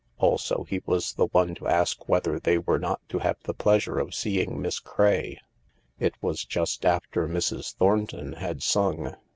Also he was the one to ask whether they were not to have the pleasure of seeing Miss Craye. It was just after Mrs. Thornton had sung.